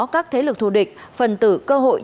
các thế lực thù địch phần tử cơ hội